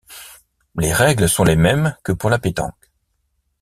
Les règles sont les mêmes que pour la pétanque.